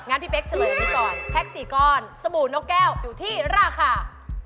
พี่เป๊กเฉลยไปก่อนแพ็ค๔ก้อนสบู่นกแก้วอยู่ที่ราคา